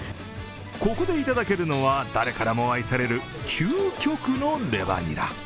ここでいただけるのは誰からも愛される究極のレバニラ。